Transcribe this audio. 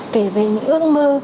kể về những ước mơ